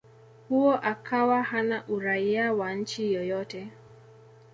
huo akawa hana Uraia wa nchi yoyote